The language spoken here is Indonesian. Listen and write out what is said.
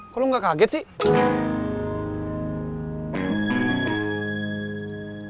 kok lu gak kaget sih